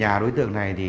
nhà đối tượng này thì là